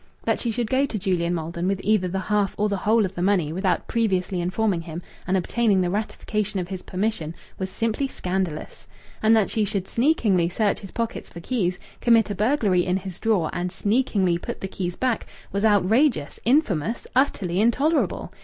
That she should go to Julian Maldon with either the half or the whole of the money without previously informing him and obtaining the ratification of his permission was simply scandalous. And that she should sneakingly search his pockets for keys, commit a burglary in his drawer, and sneakingly put the keys back was outrageous, infamous, utterly intolerable.